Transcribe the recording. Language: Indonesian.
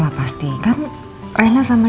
aku telepon aja ya